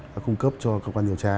cung cấp cho cơ quan điều tra